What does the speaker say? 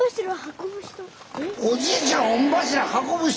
おじいちゃん御柱運ぶ人⁉